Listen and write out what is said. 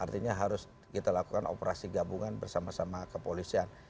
artinya harus kita lakukan operasi gabungan bersama sama kepolisian